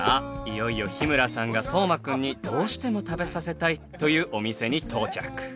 いよいよ日村さんが斗真くんにどうしても食べさせたいというお店に到着。